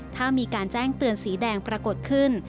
ถ้ามีการแจ้งเตือนสีแดงปรากฏขึ้น